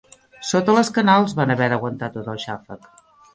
Sota les canals, van haver d'aguantar tot el xàfec.